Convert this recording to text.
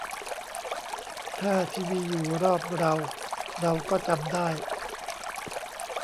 ถ้าทีวีอยู่รอบเรา เราก็จำได้